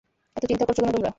এত চিন্তা করছ কেন তোমরা?